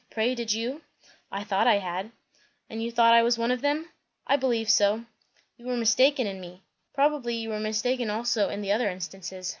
"Pray, did you?" "I thought I had." "And you thought I was one of them?" "I believe so." "You were mistaken in me. Probably you were mistaken also in the other instances.